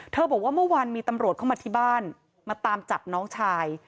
บอกว่าเมื่อวานมีตำรวจเข้ามาที่บ้านมาตามจับน้องชาย